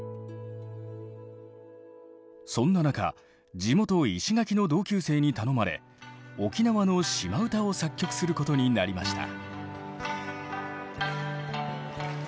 そんな中地元石垣の同級生に頼まれ沖縄の島唄を作曲することになりました。